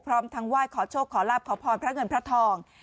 พร้อมทั้งไหว้ขอโชคขอลาบขอพรพระเงินพระทอง